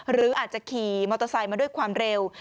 หรืออาจจะขี่มอเตอร์ไซค์มาด้วยความเร็ว